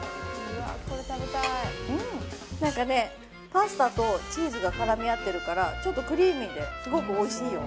パスタとチーズが絡み合ってるからちょっとクリーミーですごくおいしいよ。